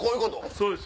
そうです。